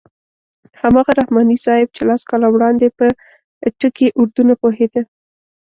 هماغه رحماني صاحب چې لس کاله وړاندې په ټکي اردو نه پوهېده.